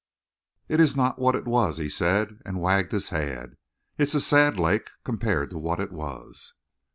"It's not what it was," he said, and wagged his head. "It's a sad lake compared to what it was."